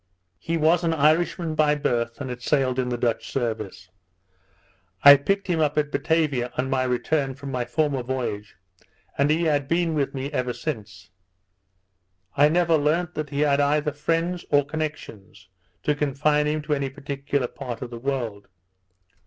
He was an Irishman by birth, and had sailed in the Dutch service. I picked him up at Batavia on my return from my former voyage, and he had been with me ever since. I never learnt that he had either friends or connections, to confine him to any particular part of the world.